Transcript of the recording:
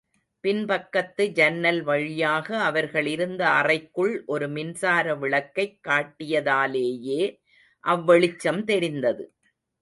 பின் பக்கத்து ஜன்னல் வழியாக அவர்கள் இருந்த அறைக்குள் ஒரு மின்சார விளக்கைக் காட்டியதாலேயே அவ்வெளிச்சம் தெரிந்தது.